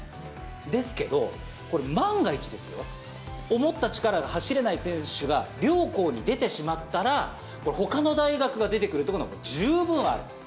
ですけど、これ、万が一ですよ、思った力で走れない選手が両校に出てしまったら、ほかの大学が出てくるというのは十分ある。